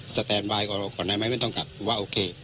สแตนไวท์ก่อนหน้าไม่ต้องกลับว่าโอเค